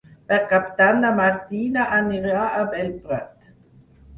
Per Cap d'Any na Martina anirà a Bellprat.